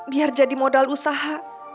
biar jadi modal usaha